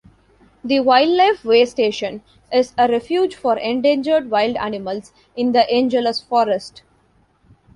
The Wildlife Waystation is a refuge for endangered wild animals in the Angeles Forest.